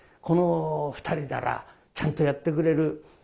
「この２人ならちゃんとやってくれる。